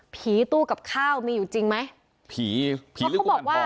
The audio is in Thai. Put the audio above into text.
ผีตู้กับข้้าวมีอยู่จริงไหม